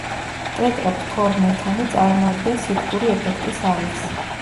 ტეტრაფთორმეთანი წარმოადგენს სითბური ეფექტის აირს.